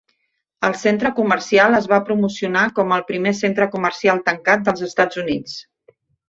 El centre comercial es va promocionar com el primer centre comercial tancat dels Estats Units.